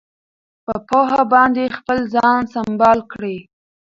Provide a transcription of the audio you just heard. په پوهه باندې خپل ځان سمبال کړئ.